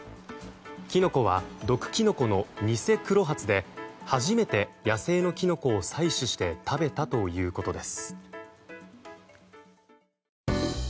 キノコは毒キノコのニセクロハツで初めて野生のキノコを採取して食べたということです。